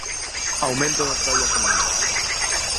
Aumento das tallas mínimas.